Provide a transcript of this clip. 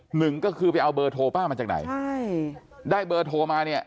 หนึ่งก็คือไปเอาเบอร์โทรป้ามาจากไหนใช่ได้เบอร์โทรมาเนี่ย